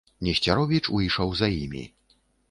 Несцяровіч выйшаў за імі.